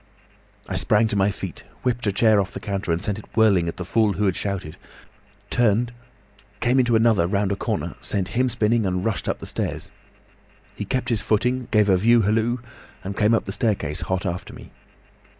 "I sprang to my feet, whipped a chair off the counter, and sent it whirling at the fool who had shouted, turned, came into another round a corner, sent him spinning, and rushed up the stairs. He kept his footing, gave a view hallo, and came up the staircase hot after me.